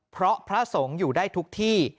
เพราะพระสงฆ์อยู่ได้ทุกที่